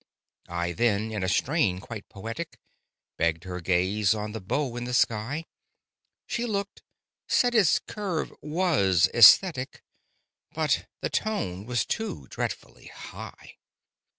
I then, in a strain quite poetic, Begged her gaze on the bow in the sky, She looked—said its curve was "æsthetic." But the "tone was too dreadfully high."